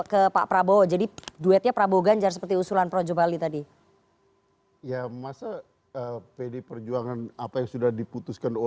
ke pak prabowo jadi duetnya prabowo ganjar seperti usulan projo bali tadi ya masa pedi perjuangan apa